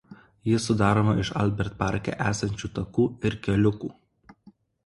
Ji sudaroma iš Albert parke esančių takų ir keliukų.